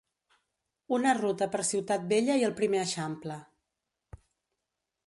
Una ruta per Ciutat vella i el primer Eixample.